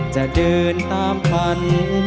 จะเดินตามฝัน